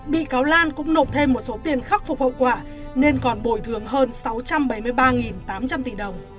bị cáo lan cũng nộp thêm một số tiền khắc phục hậu quả nên còn bồi thường hơn sáu trăm bảy mươi ba tám trăm linh tỷ đồng